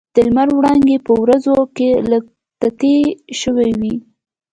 د لمر وړانګې په وریځو کې لږ تتې شوې وې.